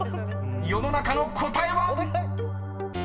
［世の中の答えは⁉］